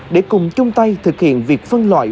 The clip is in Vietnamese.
để cùng chung tay thực hiện việc phân loại